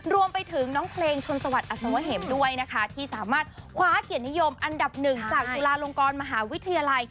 รวมไปถึงน้องเพลงชนสวัสดิอัศวะเหมด้วยนะคะที่สามารถคว้าเกียรตินิยมอันดับหนึ่งจากจุฬาลงกรมหาวิทยาลัย